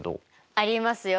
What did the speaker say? ありますよ！